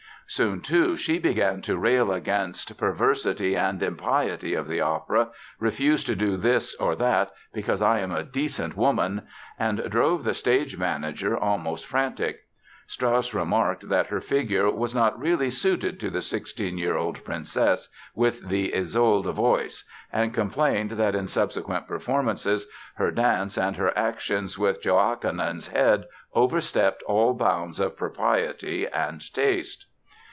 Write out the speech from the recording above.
Soon, too, she began to rail against "perversity and impiety of the opera, refused to do this or that 'because I am a decent woman'," and drove the stage manager almost frantic. Strauss remarked that her figure was 'not really suited to the 16 year old Princess with the Isolde voice' and complained that in subsequent performances her dance and her actions with Jochanaan's head overstepped all bounds of propriety and taste."